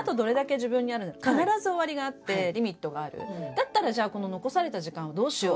だったらじゃあこの残された時間どうしようって。